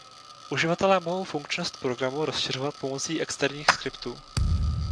Uživatelé mohou funkčnost programu rozšiřovat pomocí externích skriptů.